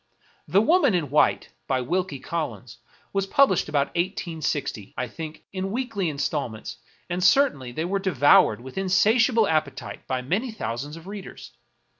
*' The Woman in White," by Wilkie Collins, was published about i860, I think, in weekly installments, and certainly they were devoured with insatiable appetite by many thou sands of readers.